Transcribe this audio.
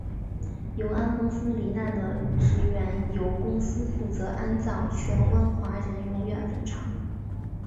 永安公司罹难的职员由公司负责安葬荃湾华人永远坟场。